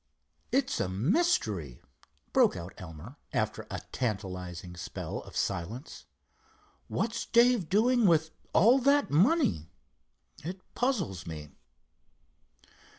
"It's a mystery," broke out Elmer, after a tantalizing spell of silence. "What's Dave doing with all that money? It puzzles me."